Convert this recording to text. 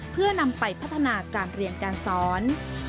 เพื่อนำไปพัฒนาการเรียนการสอน